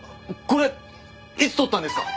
これいつ撮ったんですか？